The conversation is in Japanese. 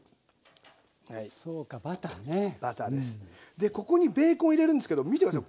でここにベーコン入れるんですけど見て下さい。